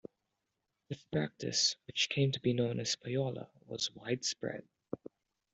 This practice, which came to be known as payola, was widespread.